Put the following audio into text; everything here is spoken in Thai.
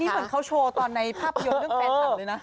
ขนเหมือนเค้าโชว์ตอนในภาพยนต์ในเรื่องแฟนฟันเลยนะ